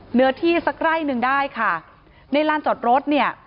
เนื้อที่สักไร่หนึ่งได้ค่ะในลานจอดรถเนี่ย